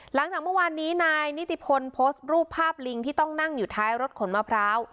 หลังจากเมื่อวานนี้นายนิติพลโพสต์รูปภาพลิงที่ต้องนั่งอยู่ท้ายรถขนมะพร้าว